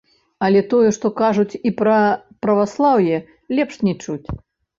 Але тое што кажуць і пра праваслаўе, лепш не чуць.